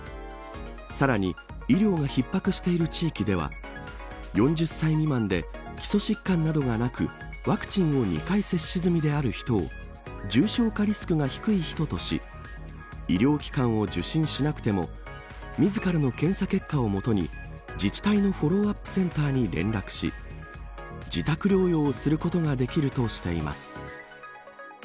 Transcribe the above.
さらに医療が逼迫している地域では４０歳未満で基礎疾患などがなくワクチンを２回接種済みである人を重症化リスクが低い人とし医療機関を受診しなくても自らの検査結果を元に自治体のフォローアップセンターに連絡し自宅療養をすることができるとしています。